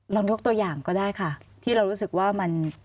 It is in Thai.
ยกตัวอย่างก็ได้ค่ะที่เรารู้สึกว่ามัน